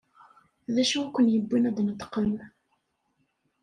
D acu i ken-yewwin ad d-tneṭqem?